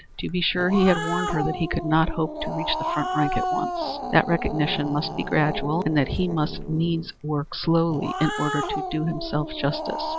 To be sure he had warned her that he could not hope to reach the front rank at once; that recognition must be gradual; and that he must needs work slowly in order to do himself justice.